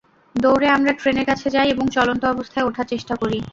দৌড়ে আমরা ট্রেনের কাছে যাই এবং চলন্ত অবস্থায় ওঠার চেষ্টা করি।